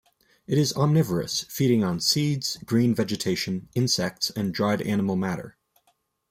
It is omnivorous, feeding on seeds, green vegetation, insects, and dried animal matter.